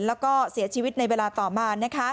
แล้วก็เสียชีวิตในเวลาต่อมา